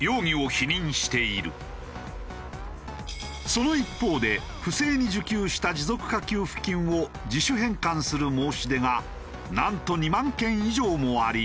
その一方で不正に受給した持続化給付金を自主返還する申し出がなんと２万件以上もあり。